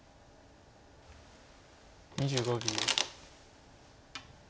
２５秒。